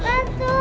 tante aku takut